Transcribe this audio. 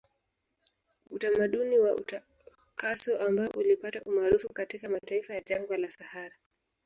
Utamaduni wa utakaso ambao ulipata umaarufu katika mataifa ya jangwa la sahara